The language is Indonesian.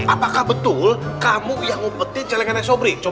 apakah betul kamu yang ngumpetin celengannya sobri